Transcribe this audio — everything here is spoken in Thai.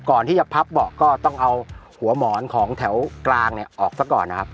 ก่อนที่จะพับเบาะก็ต้องเอาหัวหมอนของแถวกลางเนี่ยออกซะก่อนนะครับ